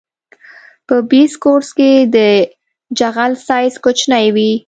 په بیس کورس کې د جغل سایز کوچنی وي